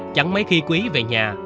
chẳng mấy khi quý về nhà